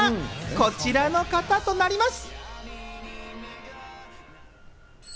こちらの方となります。